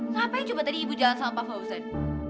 ngapain ibu tadi coba jalan sama pak fauzan